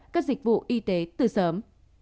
các dịch vụ y tế từ sớm